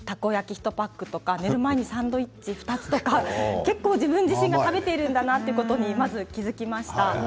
１パックとか寝る前にサンドイッチ２つとか結構、自分自身が食べているんだなということでまず気が付きました。